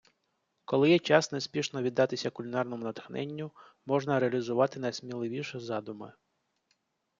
Коли є час неспішно віддатися кулінарному натхненню, можна реалізувати найсміливіші задуми.